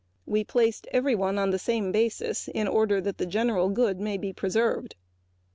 We have placed everyone on the same basis in order that the general good may be preserved.